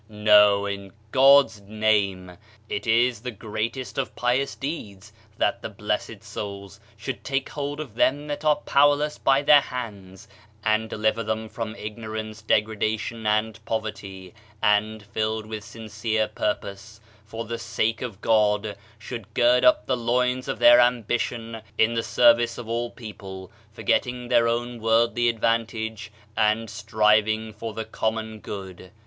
No, in God's name! It is the greatest of pious deeds that the blessed souls should take hold of them that are * Quran xvii. 14. Digitized by Google OF CIVILIZATION powerless by the hands, and deliver them from ignorance, degradation and poverty, and, filled with sincere purpose for the sake of God, should gird up the loins of their ambition in the service of all people, forgetting their own worldly advan tage and striving for the common good.